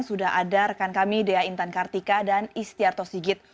sudah ada rekan kami dea intan kartika dan istiarto sigit